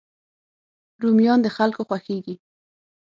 رومیان د خلکو خوښېږي